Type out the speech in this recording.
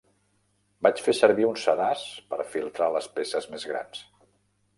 Vaig fer servir un sedàs per filtrar les peces més grans.